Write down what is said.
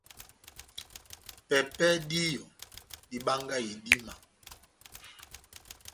Pɛpɛhɛ díyɔ, dibangahi idíma.